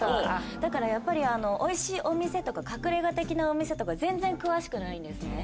だからやっぱりおいしいお店とか隠れ家的なお店とか全然詳しくないんですね。